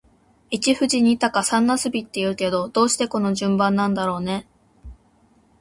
一富士、二鷹、三茄子って言うけど、どうしてこの順番なんだろうね。